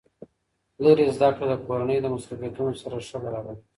لېري زده کړه د کورنۍ د مصروفیتونو سره ښه برابرېږي.